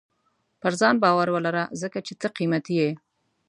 • پر ځان باور ولره، ځکه چې ته قیمتي یې.